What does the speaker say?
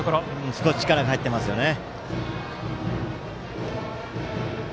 少し力入ってますよね。